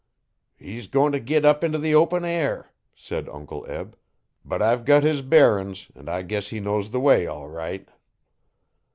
'He's goin' t' git up into the open air,' said Uncle Eb. 'But I've got his bearins' an' I guess he knows the way all right.'